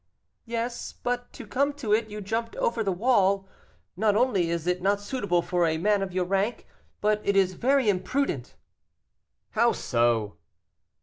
"Yes, but to come to it, you jumped over the wall. Not only is it not suitable for a man of your rank, but it is very imprudent." "How so?"